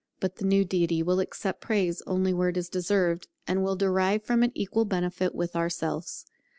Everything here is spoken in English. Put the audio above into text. But the new Deity will accept praise only where it is deserved, and will derive from it equal benefit with ourselves.